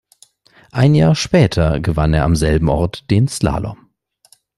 Ein Jahr später gewann er am selben Ort den Slalom.